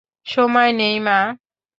সময় নেই, মা।